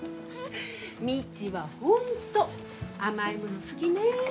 未知は本当甘いもの好きね。